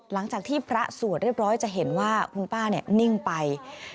หลังจากที่พระสวดเรียบร้อยจะเห็นว่าคุณป้านิ่งไป